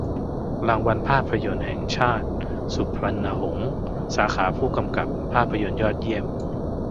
รางวัลภาพยนตร์แห่งชาติ สุพรรณหงส์ สาขาผู้กำกับภาพยนตร์ยอดเยี่ยม